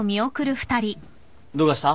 どうかした？